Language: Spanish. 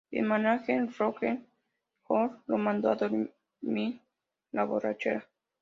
El mánager Rogers Hornsby lo mando a dormir la borrachera.